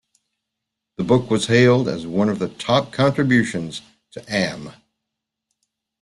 The book was hailed as one of the top contributions to Am.